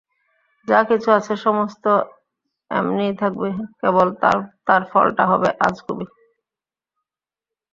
যা-কিছু আছে সমস্ত এমনিই থাকবে, কেবল তার ফলটা হবে আজগুবি।